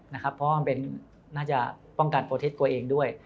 เพราะว่ามันเป็นน่าจะป้องกันโปรทิศตัวเองด้วย